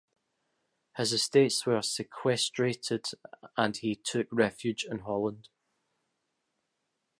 His estates were sequestrated and he took refuge in Holland.